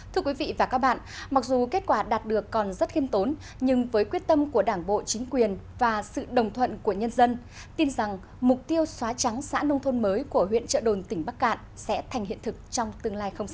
thưa quý vị và các bạn mặc dù kết quả đạt được còn rất khiêm tốn nhưng với quyết tâm của đảng bộ chính quyền và sự đồng thuận của nhân dân tin rằng mục tiêu xóa trắng xã nông thôn mới của huyện trợ đồn tỉnh bắc cạn sẽ thành hiện thực trong tương lai không xa